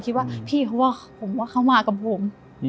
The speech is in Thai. คิดว่าพี่เห็นของผมเขามากับผม